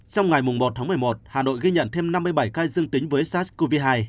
trong ngày một tháng một mươi một hà nội ghi nhận thêm năm mươi bảy ca dương tính với sars cov hai